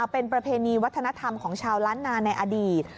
เป็นประเพณีวัฒนธรรมของชาวล้านนาในอดีต